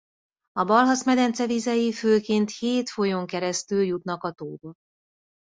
A Balhas-medence vizei főként hét folyón keresztül jutnak a tóba.